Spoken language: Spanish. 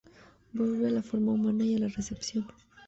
Vuelve a la forma humana, y a la recepción.